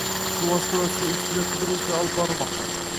Suv osti va suv ustida qidiruv ishlari olib borilmoqda